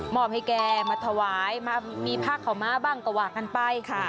อบให้แกมาถวายมามีผ้าขาวม้าบ้างก็ว่ากันไปค่ะ